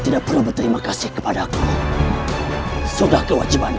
tidak perlu berterima kasih kepada aku sudah kewajibanku